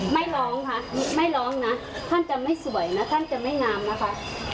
ไม่ร้องค่ะไม่ร้องนะท่านจะไม่สวยนะท่านจะไม่งามนะคะ